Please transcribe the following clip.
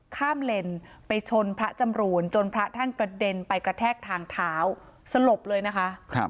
ข้ามเลนไปชนพระจำรูนจนพระท่านกระเด็นไปกระแทกทางเท้าสลบเลยนะคะ